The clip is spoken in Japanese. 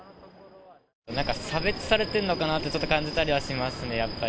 なんか差別されてんのかなって、ちょっと感じたりはしますね、やっぱり。